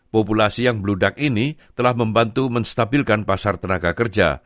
populasi yang bludak ini telah membantu menstabilkan pasar tenaga kerja